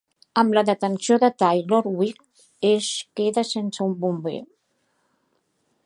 Amb la detenció de Taylor, Weech es queda sense un bomber.